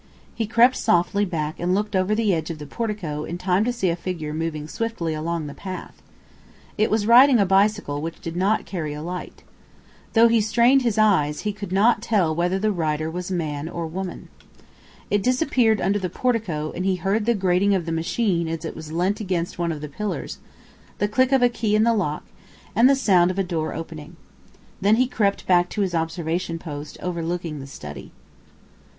He crept softly back and looked over the edge of the portico in time to see a figure moving swiftly along the path. It was riding a bicycle which did not carry a light. Though he strained his eyes, he could not tell whether the rider was man or woman. It disappeared under the portico and he heard the grating of the machine as it was leant against one of the pillars, the click of a key in the lock and the sound of a door opening. Then he crept back to his observation post overlooking the study. Mrs.